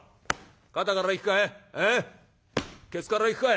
肩からいくかい？